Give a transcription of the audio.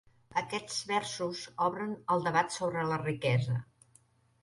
Aquests versos obren el debat sobre la riquesa.